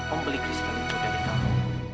om beli kristal itu dari kamu